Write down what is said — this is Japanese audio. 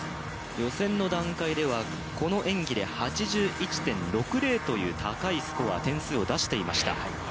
予選の段階ではこの演技で８１．６０という、高いスコア、点数を出していました。